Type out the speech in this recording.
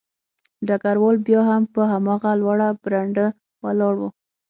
ډګروال بیا هم په هماغه لوړه برنډه ولاړ و